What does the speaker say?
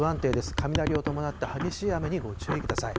雷を伴った激しい雨にご注意ください。